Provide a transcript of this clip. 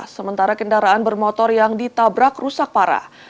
sementara kendaraan bermotor yang ditabrak rusak parah